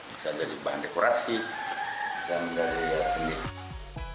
bisa jadi bahan dekorasi bisa menjadi sendiri